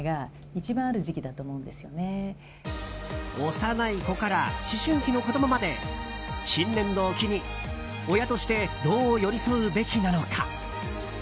幼い子から思春期の子供まで新年度を機に親としてどう寄り添うべきなのか。